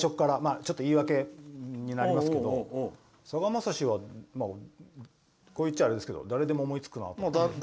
ちょっと言い訳になりますけどさがまさしはこう言っちゃあれですけど誰でも思いつくなって。